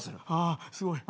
あすごい。